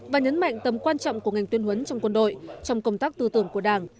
và nhấn mạnh tầm quan trọng của ngành tuyên huấn trong quân đội trong công tác tư tưởng của đảng